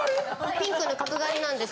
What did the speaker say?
ピンクの角刈りなんです